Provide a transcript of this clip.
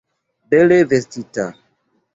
Bele vestita.